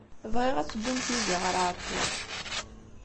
Bɣiɣ ad teddumt yid-i ɣer Ɛeṭṭuc.